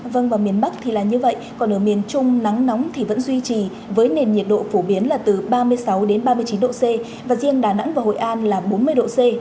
vâng và miền bắc thì là như vậy còn ở miền trung nắng nóng thì vẫn duy trì với nền nhiệt độ phổ biến là từ ba mươi sáu ba mươi chín độ c và riêng đà nẵng và hội an là bốn mươi độ c